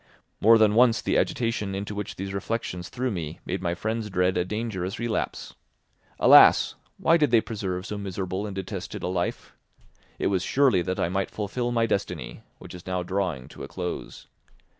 More than once the agitation into which these reflections threw me made my friends dread a dangerous relapse. Alas! Why did they preserve so miserable and detested a life? It was surely that I might fulfil my destiny, which is now drawing to a close.